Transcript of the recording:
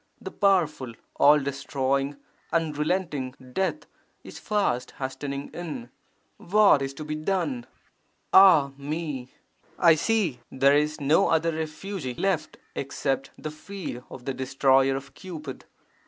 The powerful, all destroying, unrelenting Death is fast hastening in! What is to be done? Ah me! I see there is HUNDRED VERSES ON RENUNCIATION 51 no other refuge left except the feet of the Destroyer of Cupid.